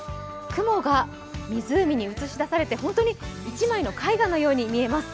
雲が湖に映し出されて、本当に１枚の絵画のように見えます。